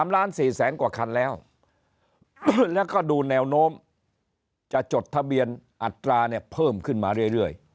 ๓ล้าน๔แสนกว่าคันแล้วแล้วก็ดูแนวโน้มจะจดทะเบียนอัตราเนี่ยเพิ่มขึ้นมาเรื่อย